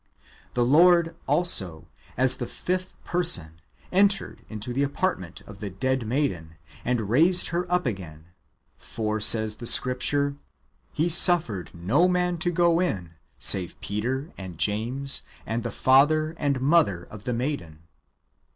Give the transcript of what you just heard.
The Lord also, as the fifth person, entered into the apartment of the dead maiden, and raised her up again ; for, says [the Scripture], ^' He suffered no man to go in, save Peter and James,^ and the father and mother of the maiden."